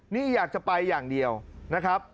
นี่อยากจะไปอย่างเดียวนะครับ